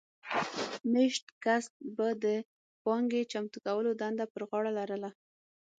مېشت کس به د پانګې چمتو کولو دنده پر غاړه لرله